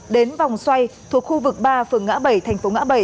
đến vòng xoay thuộc khu vực ba phường ngã bảy thành phố ngã bảy